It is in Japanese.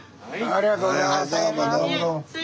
ありがとうございます。